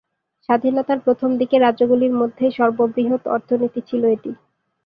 স্বাধীনতার প্রথম দিকে রাজ্যগুলির মধ্যে সর্ববৃহৎ অর্থনীতি ছিল এটি।